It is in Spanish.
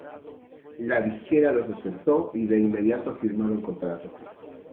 La disquera los aceptó, y de inmediato firmaron contrato.